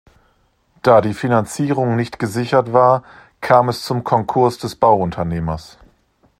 Da die Finanzierung nicht gesichert war, kam es zum Konkurs des Bauunternehmers.